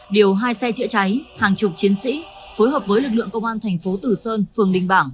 điều hai xe chữa cháy hàng chục chiến sĩ phối hợp với lực lượng công an thành phố tử sơn phường đình bảng